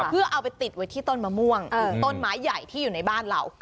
เพื่อเอาไปติดไว้ที่ต้นมะม่วงต้นไม้ใหญ่ที่อยู่ในบ้านเรา